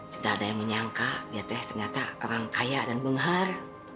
tidak ada yang menyangka ya teh ternyata orang kaya dan benghar